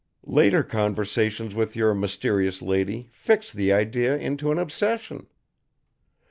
Later conversations with your mysterious lady fixed the idea into an obsession.